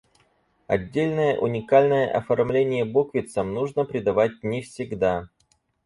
Отдельное уникальное оформление буквицам нужно придавать не всегда.